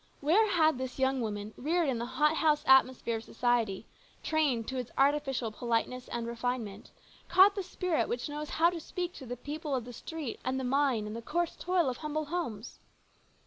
Where had this young woman, reared in the hothouse atmosphere of society, trained to its artificial 144 HIS BROTHER'S KEEPER. politeness and refinement, caught the spirit which knows how to speak to the people of the street and the mine and the coarse toil of humble homes